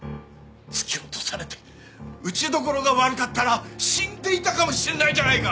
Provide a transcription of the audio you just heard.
突き落とされて打ち所が悪かったら死んでいたかもしれないじゃないか！